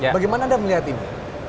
bagaimana anda melihat ini